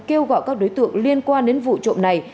kêu gọi các đối tượng liên quan đến vụ trộm này